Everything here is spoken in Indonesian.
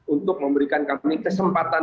untuk memberikan kami kesempatan